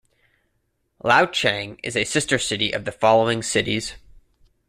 Liaocheng is a sister city of the following cities.